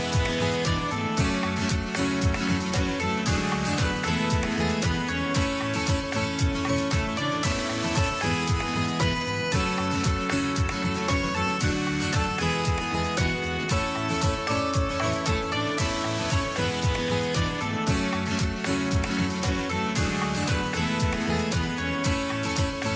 สวัสดีครับ